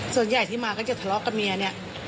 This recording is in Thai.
ส่วนใหญ่ที่มาก็จะทะเลาะกับเมียเนี่ย